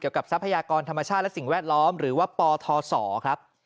ทรัพยากรธรรมชาติและสิ่งแวดล้อมหรือว่าปทศครับ